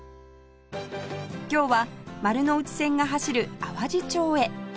今日は丸ノ内線が走る淡路町へ